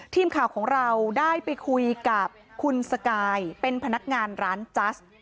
ทีมข่าวของเราได้ไปคุยกับคุณสกายเป็นพนักงานร้านจัส